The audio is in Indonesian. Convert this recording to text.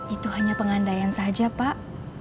itu hanya pengandaian saja pak